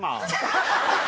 ハハハハ！